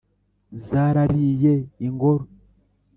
zaraririye ingoro